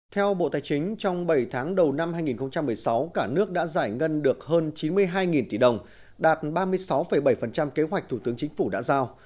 theo bộ tài chính trong bảy tháng đầu năm hai nghìn một mươi sáu cả nước đã giải ngân được hơn chín mươi hai tỷ đồng đạt ba mươi sáu bảy kế hoạch thủ tướng chính phủ đã giao